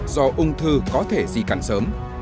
do ông thư có thể di cắn sớm